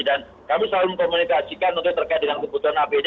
dan kami selalu mengkomunikasikan untuk terkait dengan kebutuhan apd